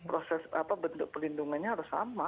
proses bentuk pelindungannya harus sama